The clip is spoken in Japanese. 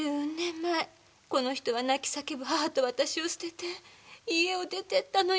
前この人は泣き叫ぶ母と私を捨てて家を出てったのよね。